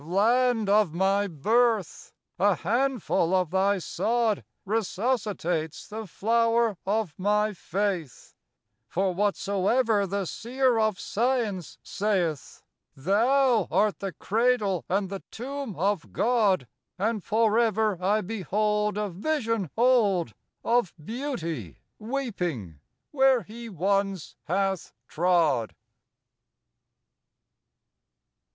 Land of my birth! a handful of thy sod Resuscitates the flower of my faith; For whatsoever the seer of science saylh, Thou art the cradle and the tomb of God; And forever I behold A vision old Of Beauty weeping where He once hath trod.